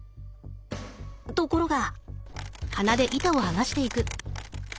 ところが。